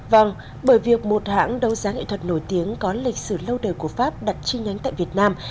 vâng bởi việc một hãng đấu giá nghệ thuật nổi tiếng có lịch sử lâu đời của pháp đặt chi nhánh tại việt nam